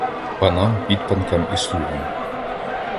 Панам, підпанкам і слугам